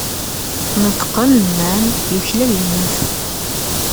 Neṭqen, nnan: Yuklal lmut.